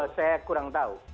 saya kurang tahu